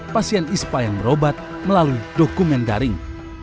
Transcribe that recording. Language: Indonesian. pasien ispa yang berobat melalui dokumen daring